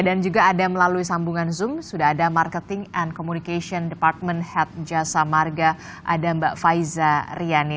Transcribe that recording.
dan juga ada melalui sambungan zoom sudah ada marketing and communication department head jasa marga ada mbak faiza riani